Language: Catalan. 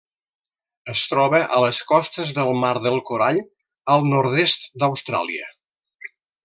Es troba a les costes del mar del Corall al nord-est d'Austràlia.